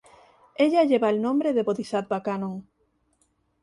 Ella lleva el nombre de bodhisattva Kannon.